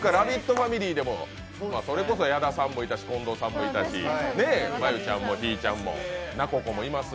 ファミリーでも、それこそ矢田さんもいたし近藤さんもいたし、真悠ちゃんもひぃちゃんもなここもいます。